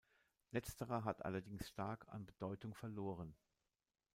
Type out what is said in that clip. Letzterer hat allerdings stark an Bedeutung verloren.